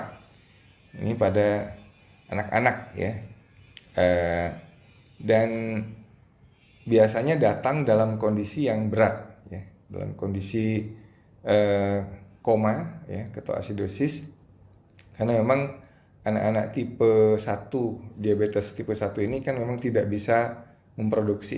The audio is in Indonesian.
tapi saat ini saya baru tahu kalau anak anak bisa kena diabetes